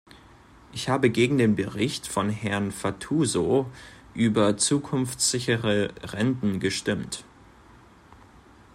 Ich habe gegen den Bericht von Herrn Fatuzzo über zukunftssichere Renten gestimmt.